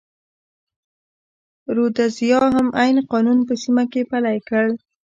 رودزیا هم عین قانون په سیمه کې پلی کړ.